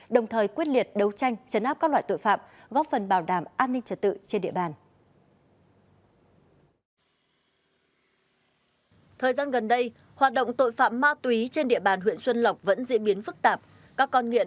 đồng thời quyết liệt đấu tranh chấn áp các loại tội phạm góp phần bảo đảm an ninh trật tự trên địa bàn